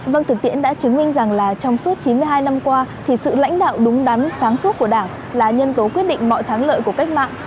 vâng thực tiễn đã chứng minh rằng là trong suốt chín mươi hai năm qua thì sự lãnh đạo đúng đắn sáng suốt của đảng là nhân tố quyết định mọi thắng lợi của cách mạng